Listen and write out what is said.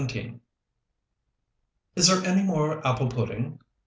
XVII "Is there any more apple pudding?"